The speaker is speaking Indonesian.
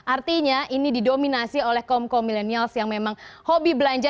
artinya ini didominasi oleh kaum kaum milenials yang memang hobi belanja